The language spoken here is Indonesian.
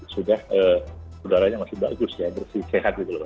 sudah udaranya masih bagus bersih sehat